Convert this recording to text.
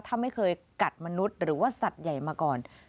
ถ้าไม่เคยกัดมนุษย์หรือว่าสัตว์ใหญ่มาก่อน